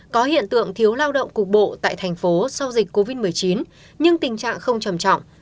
có hiện tượng thiếu lao động cục bộ tại thành phố sau dịch covid một mươi chín nhưng tình trạng không trầm trọng